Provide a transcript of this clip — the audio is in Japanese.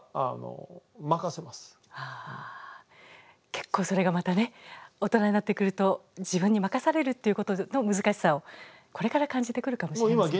結構それがまたね大人になってくると自分に任されるっていうことの難しさをこれから感じてくるかもしれませんね。